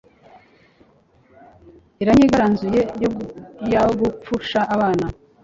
iranyigaranzuye yogapfusha abana